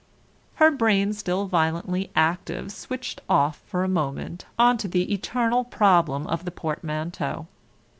Her brain still violently active switched off for a moment on to the eternal problem of the portmanteau.